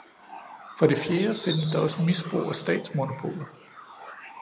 For det fjerde findes der også misbrug af statsmonopoler.